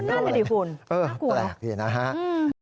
นั่นแหล่ะดิคุณน่ากลัว